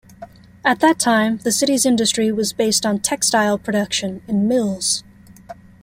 At that time the city's industry was based on textile production and mills.